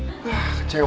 eh roy aduh bentar